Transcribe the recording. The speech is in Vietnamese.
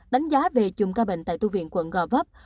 đánh giá về chùm ca bệnh tại tu viện quận gò vấp